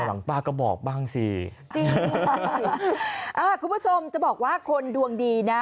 หลังป้าก็บอกบ้างสิจริงอ่าคุณผู้ชมจะบอกว่าคนดวงดีนะ